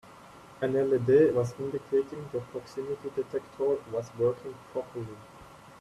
An LED was indicating the proximity detector was working properly.